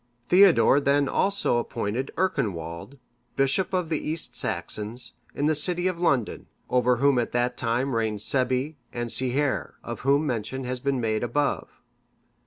Theodore then also appointed Earconwald,(579) bishop of the East Saxons, in the city of London, over whom at that time reigned Sebbi and Sighere, of whom mention has been made above.